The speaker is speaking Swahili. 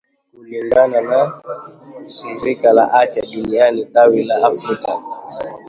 Kulingana na shirika la afya duniani tawi la afrika